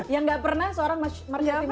yang gak pernah seorang marketing melakukan